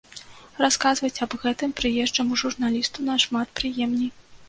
Расказваць аб гэтым прыезджаму журналісту нашмат прыемней.